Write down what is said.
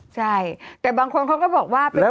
ใช่แต่บางคนเขาก็บอกว่า